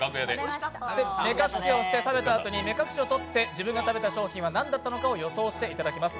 目隠しをして、食べたあとに目隠しを取って自分が食べた商品が何だったのか予想していただきます。